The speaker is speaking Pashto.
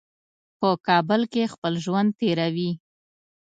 په کابل کې خپل ژوند تېروي.